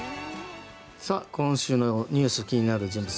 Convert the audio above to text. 今週のニュース気になる人物